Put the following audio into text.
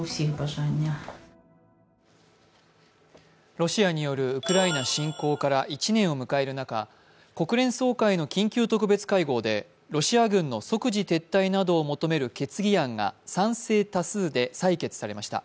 ロシアによるウクライナ侵攻から１年を迎える中、国連総会の緊急特別会合で、ロシア軍の即時撤退などを求める決議案が賛成多数で採決されました。